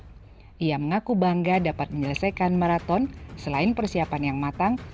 serka dewa gede astawa berhasil menyelesaikan maraton selama lima hari